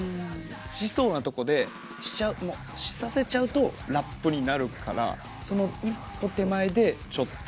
しそうなとこでさせちゃうとラップになるからその一歩手前でちょっと。